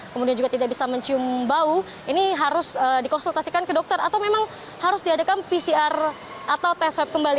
kemudian juga tidak bisa mencium bau ini harus dikonsultasikan ke dokter atau memang harus diadakan pcr atau tes swab kembali